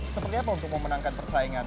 seperti apa untuk memenangkan persaingan